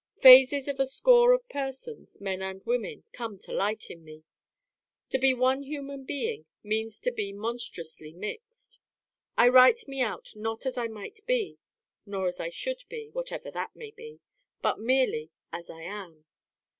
Phases of a score of persons, men and women, come to light in me. To be one human being means to be monstrously mixed. I write me out not as I might be, nor as I should be whatever that may be : but merely as I am.